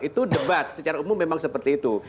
itu debat secara umum memang seperti itu